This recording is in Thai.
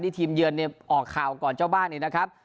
ทีมเยือนเนี่ยออกข่าวก่อนเจ้าบ้านเนี่ยนะครับ